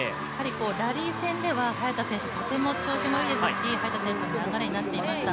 ラリー戦では早田選手とても調子もいいですし、早田選手の流れになっていました。